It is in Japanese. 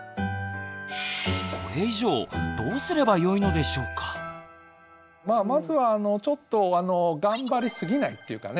これ以上まあまずはちょっと頑張りすぎないっていうかね